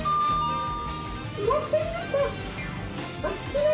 いらっしゃいませ。